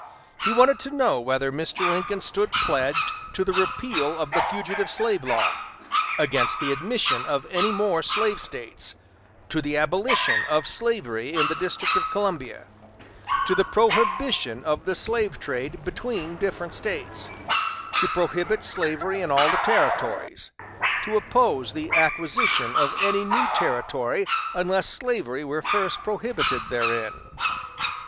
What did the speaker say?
He wanted to know whether Mr. Lincoln stood pledged to the repeal of the fugitive slave law; against the admission of any more slave States; to the abolition of slavery in the District of Columbia; to the prohibition of the slave trade between different States; to prohibit slavery in all the Territories; to oppose the acquisition of any new territory unless slavery were first prohibited therein.